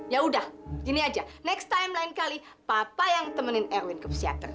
ya udah gini aja next time lain kali papa yang temenin erwin ke psikiater